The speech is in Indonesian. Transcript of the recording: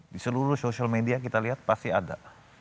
di seluruh sosial media kita lihat pasti ada